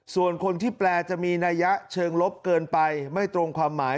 ส่วนคนที่แปลจะมีนัยะเชิงลบเกินไปไม่ตรงความหมาย